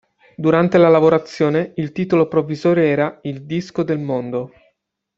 Durante la lavorazione, il titolo provvisorio era "Il disco del mondo".